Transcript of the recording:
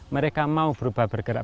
mereka mau berubah bergerak